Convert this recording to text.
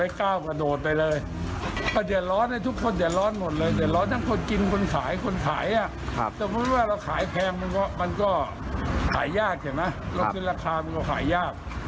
อยากให้มีความจริงใจของประชาชนมาก